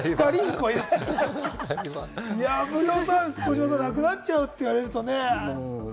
無料サービス、児嶋さん、なくなっちゃうと言われるとね。